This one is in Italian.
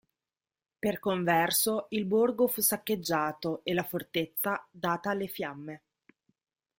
Per converso il borgo fu saccheggiato e la fortezza data alle fiamme.